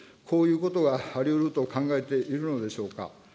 こういうことがありうると考えているのでしょうか。